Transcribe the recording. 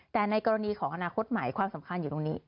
แต่ในกรณีของอนาคตใหม่ความสำคัญอยู่ตรงนี้